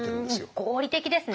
合理的ですね！